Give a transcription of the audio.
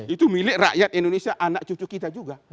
itu milik rakyat indonesia anak cucu kita juga